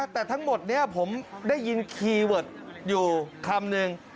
แต่ทั้งหมดนี้ผมได้ยินคีย์เวิร์ดอยู่คำนึง